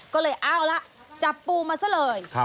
ก็เลยเอาละจับปูมาซะเลย